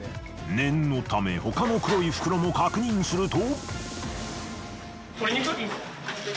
念のため他の黒い袋も確認すると。